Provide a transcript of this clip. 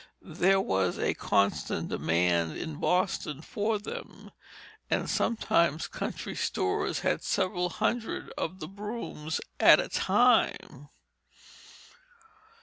There was a constant demand in Boston for them, and sometimes country stores had several hundred of the brooms at a time.